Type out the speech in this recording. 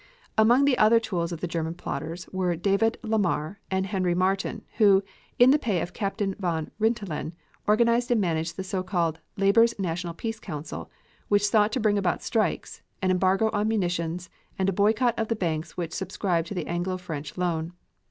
Among the other tools of the German plotters were David Lamar and Henry Martin, who, in the pay of Captain von Rintelen, organized and managed the so called Labor's National Peace Council, which sought to bring about strikes, an embargo on munitions, and a boycott of the banks which subscribed to the Anglo French loan.